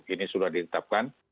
ini sudah ditetapkan